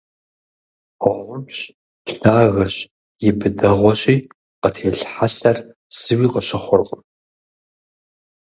Гъумщ, лъагэщ, и быдэгъуэщи, къытелъ хьэлъэр зыуи къыщыхъуркъым.